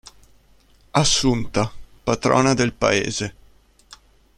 Assunta, patrona del paese.